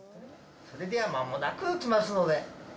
それでは間もなく来ますので。